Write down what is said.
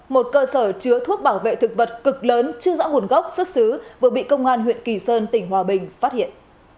một cơ sở chứa thuốc bảo vệ thực vật cực lớn chưa rõ nguồn gốc xuất xứ vừa bị công an huyện kỳ sơn tỉnh hòa bình phát hiện